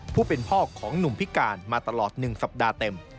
ผู้เป็นพ่อของหนุ่มพิการมาตลอด๑สัปดาห์เต็ม